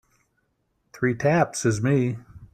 Three taps is me.